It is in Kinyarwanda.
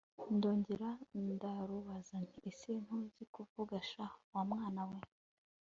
ndongera ndarubaza nti ese ntuzi kuvuga sha wa mwana we